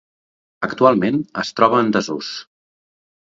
Actualment es troba en desús.